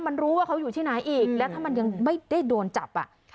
มันรู้ว่าเขาอยู่ที่ไหนอีกแล้วถ้ามันยังไม่ได้โดนจับ